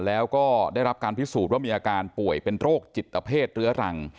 แล้วก็ได้รับการพิสูจน์ว่ามีอาการป่วยเป็นโรคจิตเพศเรื้อรัง